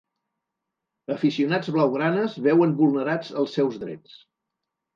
Aficionats blaugranes veuen vulnerats els seus drets